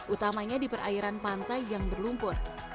utamanya di perairan pantai yang berlumpur